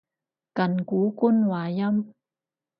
近古官話音